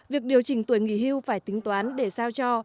việc điều chỉnh tuổi nghỉ hưu phải tính toán để sao cho